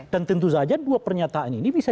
dan tentu saja dua pernyataan ini bisa